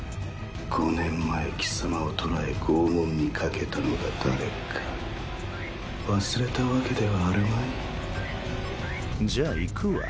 ５年前貴様を捕らえ拷問にかけたのが誰か忘れたわけではあるまい？じゃ行くわ。